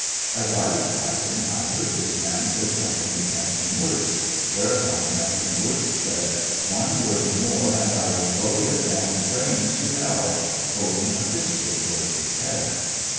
As I was passing I heard this man say something to Captain Wirz, whereupon Captain Wirz said, "One word more and I will blow your damned brains to hell," holding a pistol towards his head.